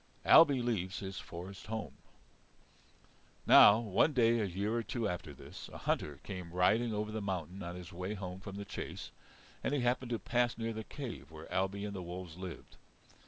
Ailbe leaves his Forest Home Now one day, a year or two after this, a hunter came riding over the mountain on his way home from the chase, and he happened to pass near the cave where Ailbe and the wolves lived.